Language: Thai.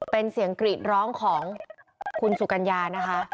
เป็นเสียงกรีดร้องของคุณสุกัญญานะคะ